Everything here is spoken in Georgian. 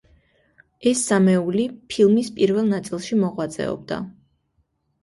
ეს სამეული ფილმის პირველ ნაწილში მოღვაწეობდა.